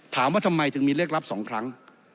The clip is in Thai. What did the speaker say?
ถามว่าทำไมถึงมีเลขรับ๒ครั้ง